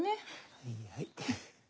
はいはい。